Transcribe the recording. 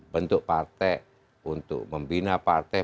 bentuk partai untuk membina partai